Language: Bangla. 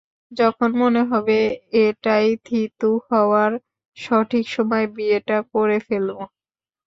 যখন মনে হবে, এটাই থিতু হওয়ার সঠিক সময়, বিয়েটা করে ফেলব।